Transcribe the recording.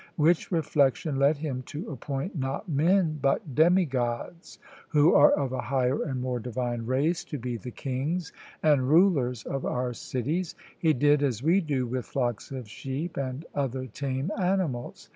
Which reflection led him to appoint not men but demigods, who are of a higher and more divine race, to be the kings and rulers of our cities; he did as we do with flocks of sheep and other tame animals.